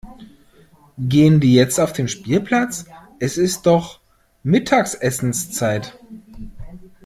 Gehen die jetzt auf den Spielplatz? Es ist doch Mittagessenszeit.